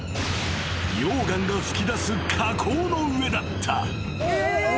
溶岩が噴き出す火口の上だった］